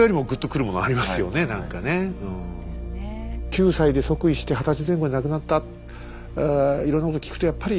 ９歳で即位して二十歳前後で亡くなった。